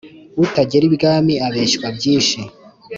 Utagera ibwami abeshywa byinshi.